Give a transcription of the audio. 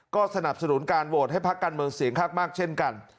ก็สนับสนุนการโหวตให้พักการเมืองเสียงข้างมากเช่นกัน